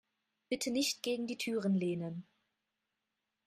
Bitte nicht gegen die Türen lehnen.